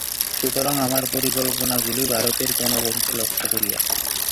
সুতরাং আমার পরিকল্পনাগুলি ভারতের জনগণকে লক্ষ্য করিয়া।